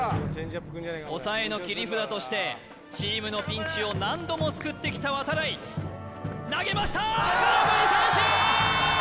抑えの切り札としてチームのピンチを何度も救ってきた渡会投げましたー空振り三振！